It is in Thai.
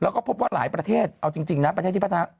แล้วก็พบว่าหลายประเทศเอาจริงนะประเทศที่พัฒนา